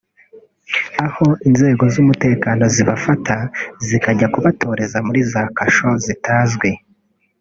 aho inzego z’umutekano zibafata zikajya kubatotereza muri za kasho zitazwi